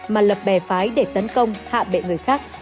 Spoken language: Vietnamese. mà lập bè phái để tấn công hạ bệ người khác